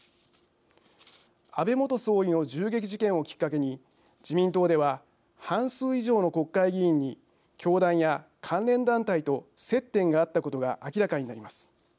安倍元総理の銃撃事件をきっかけに自民党では半数以上の国会議員に教団や関連団体と接点があったことが明らかになります。